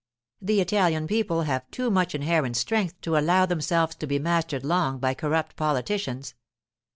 The Italian people have too much inherent strength to allow themselves to be mastered long by corrupt politicians.